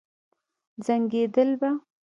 زنګېدل به.